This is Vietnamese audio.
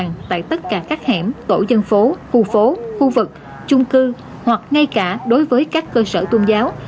công an an toàn tại tất cả các hẻm tổ dân phố khu phố khu vực chung cư hoặc ngay cả đối với các cơ sở tôn giáo